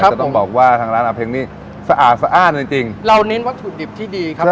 จะต้องบอกว่าทางร้านอาเพ็งนี่สะอาดสะอ้านจริงจริงเราเน้นวัตถุดิบที่ดีครับ